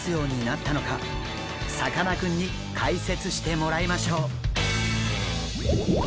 さかなクンに解説してもらいましょう。